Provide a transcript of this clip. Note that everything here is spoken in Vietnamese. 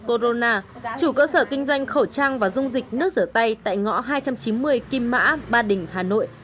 orona chủ cơ sở kinh doanh khẩu trang và dung dịch nước rửa tay tại ngõ hai trăm chín mươi kim mã ba đình hà nội